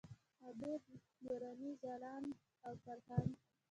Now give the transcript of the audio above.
عابد، نوراني، ځلاند او فرهنګ.